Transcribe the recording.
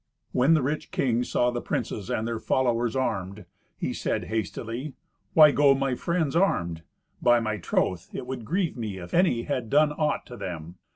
When the rich king saw the princes and their followers armed, he said hastily, "Why go my friends armed? By my troth it would grieve me if any had done aught to them.